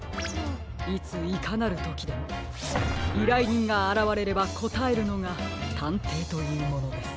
いついかなるときでもいらいにんがあらわれればこたえるのがたんていというものです。